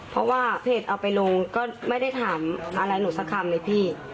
เพราะว่าเพจเอาไปลงก็ไม่ได้ถามอะไรหนูสักคำเลยพี่